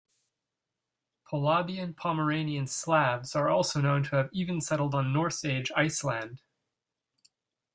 Polabian-Pomeranian Slavs are also known to have even settled on Norse age Iceland.